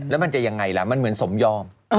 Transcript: แล้วมันจะยังไงล่ะมันเหมือนสมยอม